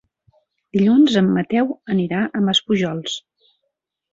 Dilluns en Mateu anirà a Maspujols.